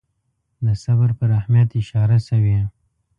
د صبر پر اهمیت اشاره شوې.